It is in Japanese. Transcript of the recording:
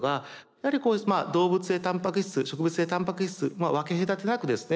やはり動物性たんぱく質植物性たんぱく質分け隔てなくですね